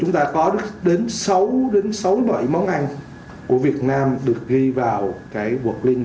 chúng ta có đến sáu đến sáu loại món ăn của việt nam được ghi vào cái quật link